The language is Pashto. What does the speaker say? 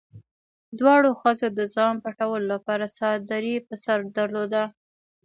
دواړو ښځو د ځان پټولو لپاره څادري په سر درلوده.